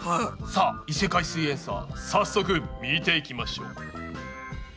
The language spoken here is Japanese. さあ異世界すイエんサー早速見ていきましょう！